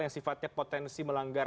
yang sifatnya potensi melanggar